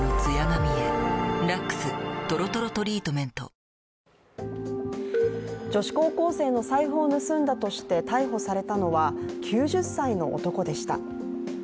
ぷはーっ女子高校生の財布を盗んだとして逮捕されたのは、９０歳の男でした。